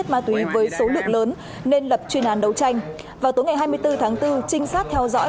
ma túy với số lượng lớn nên lập chuyên án đấu tranh vào tối ngày hai mươi bốn tháng bốn trinh sát theo dõi